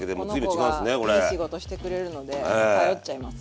そうこの子がいい仕事してくれるので頼っちゃいます。